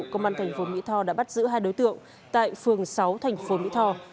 công an thành phố mỹ tho đã bắt giữ hai đối tượng tại phường sáu thành phố mỹ tho